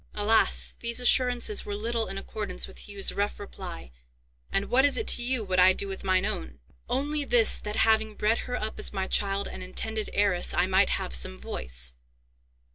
Alas! these assurances were little in accordance with Hugh's rough reply, "And what is it to you what I do with mine own?" "Only this, that, having bred her up as my child and intended heiress, I might have some voice."